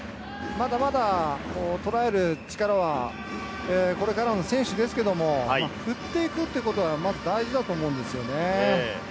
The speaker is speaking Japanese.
まだまだとらえる力はこれからの選手ですけれども、振っていくということがまず大事だと思うんですよね。